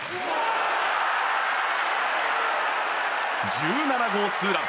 １７号ツーラン。